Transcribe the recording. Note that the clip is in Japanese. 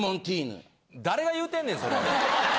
誰が言うてんねんそれ。